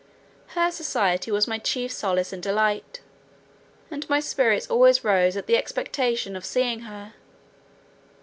Her society was my chief solace and delight; and my spirits always rose at the expectation of seeing her.